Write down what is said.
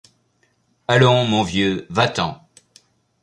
Allons, mon vieux, va-t-en !